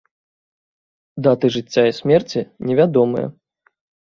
Даты жыцця і смерці не вядомыя.